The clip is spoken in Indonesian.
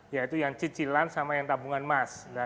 yaitu yang cicilan sama yang tabungan emas